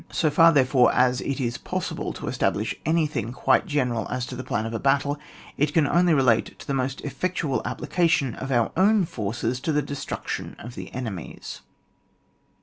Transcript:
So far, therefore, as it is possible to establish anything quite general as to the plan of a battle, it can only relate to the most effectual application of our own forces to the destruction of the enemy's.